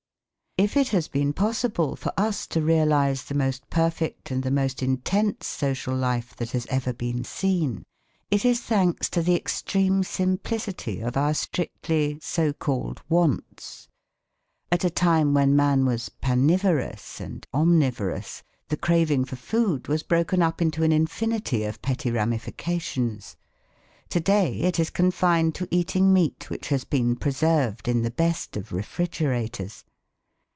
If it has been possible for us to realise the most perfect and the most intense social life that has ever been seen, it is thanks to the extreme simplicity of our strictly so called wants. At a time when man was "panivorous" and omnivorous, the craving for food was broken up into an infinity of petty ramifications. To day it is confined to eating meat which has been preserved in the best of refrigerators.